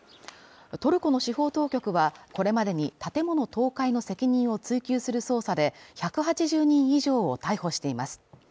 トルコの司法当局はこれまでに建物倒壊の責任を追及する捜査で１８０人以上を逮捕しています。